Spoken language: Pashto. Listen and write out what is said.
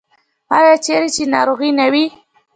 آیا چیرې چې ناروغي نه وي؟